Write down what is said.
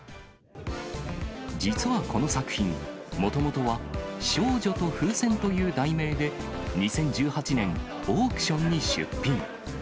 実はこの作品、もともとは少女と風船という題名で２０１８年、オークションに出品。